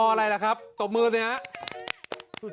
นออะไรละครับตกมือนี้ครับ